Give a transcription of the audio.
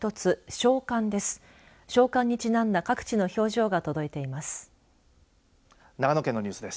小寒にちなんだ各地の表情が届いています。